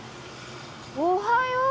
おはよう！